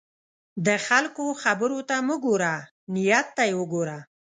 د خلکو خبرو ته مه ګوره، نیت ته یې وګوره.